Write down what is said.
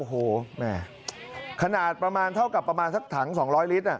โอ้โหแม่ขนาดประมาณเท่ากับประมาณสักถัง๒๐๐ลิตร